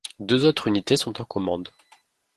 Deux autres unités sont en commande.